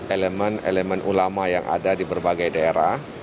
elemen elemen ulama yang ada di berbagai daerah